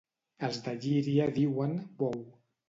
Els de Llíria diuen: «Bou».